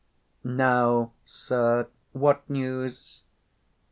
Now, sir, what news?